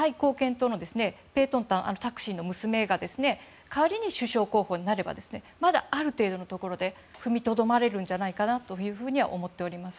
党のペートンタンタクシンの娘が仮に首相候補になればまだある程度のところで踏みとどまれるんじゃないかとは思っております。